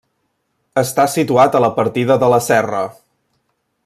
Està situat a la partida de la Serra.